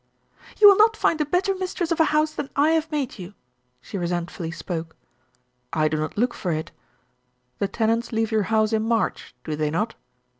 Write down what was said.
"You will not find a better mistress of a house than I have made you," she resentfully spoke. "I do not look for it. The tenants leave your house in March, do they not?"